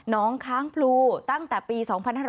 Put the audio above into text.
น้องค้างพลูตั้งแต่ปี๒๕๔๘